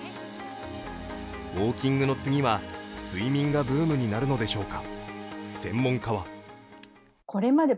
ウォーキングの次は睡眠がブームになるのでしょうか。